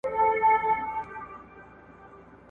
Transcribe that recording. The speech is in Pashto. غل د پیشي درب څخه ھم بېرېږي ,